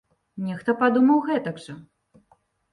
Нехта падумаў гэтак жа.